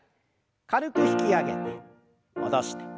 軽く引き上げて戻して。